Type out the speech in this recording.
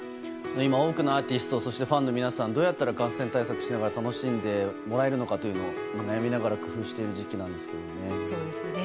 今、多くのアーティストファンの皆さんどうやったら感染対策しながら楽しんでもらえるのかを悩みながら工夫している時期なんですけどね。